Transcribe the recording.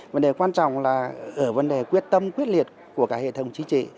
vấn đề quan trọng là ở vấn đề quyết tâm quyết liệt của cả hệ thống chính trị